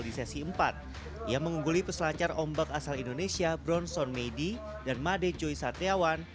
di sesi empat ia mengungguli peselancar ombak asal indonesia bronson meidy dan madejo isatiawan